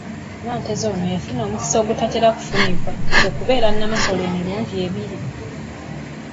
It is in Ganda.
Nanteza ono yafuna omukisa ogutatera kufunibwa, kwe kubeera Namasole emirundi ebiri,.